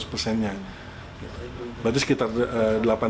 berarti sekitar delapan triliunan